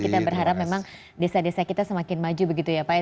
kita berharap memang desa desa kita semakin maju begitu ya pak